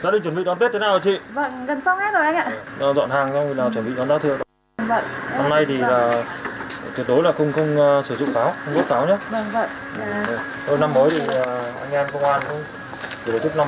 thôi năm mới thì anh em công an cũng kể lời chúc năm mới đến gia đình mọi việc tuyệt lợi buôn bán là ngày càng đắt hàng